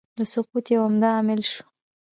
د سقوط یو عمده عامل شو.